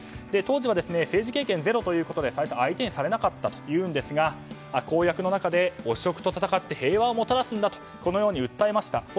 当時は政治経験ゼロということで最初、相手にされなかったというんですが公約の中で汚職と戦って平和をもたらすんだとこのように訴えました。